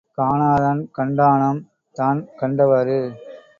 காணாதான் கண்டானாம் தான் கண்டவாறு.